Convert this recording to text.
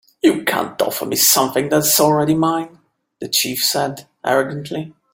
"You can't offer me something that is already mine," the chief said, arrogantly.